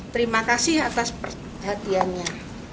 terima kasih atas perhatiannya